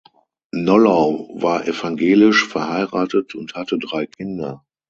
Nollau war evangelisch, verheiratet und hatte drei Kinder.